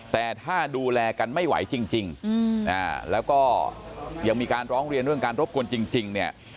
แต่ถ้าดูแลกันไม่ไหวจริงแล้วก็ยังมีการร้องเรียนเรื่องการรบกวนจริงเนี่ย